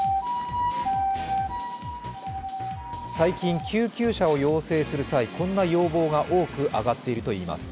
最近、救急車を要請する際、こんな要望が多くあがっているといいます。